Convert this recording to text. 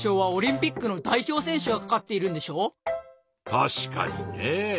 確かにねぇ。